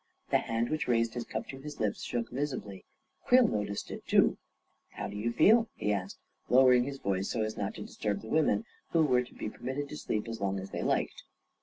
The hand which raised his cup to his lips shook visibly. Creel no ticed it too. " How do you feel ?" he asked, lowering his voice so as not to disturb the women, who were to be per mitted to sleep as long as they liked.